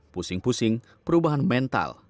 pusing pusing perubahan mental